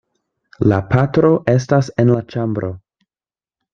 La patro estas en la ĉambro.